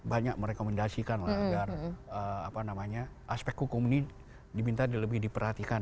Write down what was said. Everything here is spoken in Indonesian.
jadi saya merekomendasikan agar aspek hukum ini dibintangin lebih diperhatikan